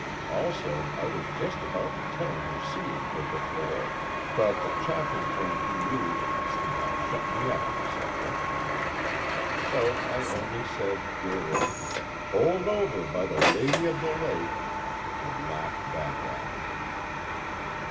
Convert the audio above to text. Also I was just about to tell him of seeing her before, but the chaffing tone he used somehow shut me up on the subject. So I only said, gaily: "Bowled over by the Lady of the Lake!" and laughed back at him.